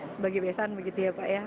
sebagai besan begitu ya pak ya